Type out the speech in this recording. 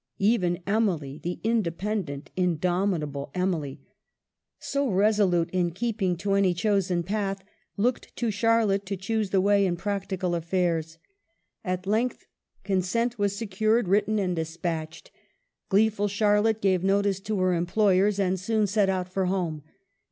Even Emily, the independent, indomitable Emily, so resolute in keeping to any chosen path, looked to Charlotte to choose the way in practical affairs. At length consent was secured, written, and IOO EMILY BRONTE. despatched. Gleeful Charlotte gave notice to ; her employers and soon set out for home. There